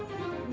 hah kamu siapa